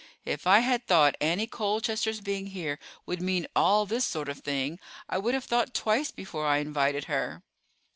"If I had thought Annie Colchester's being here would mean all this sort of thing I would have thought twice before I invited her."